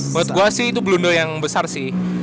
menurut gue sih itu blundel yang besar sih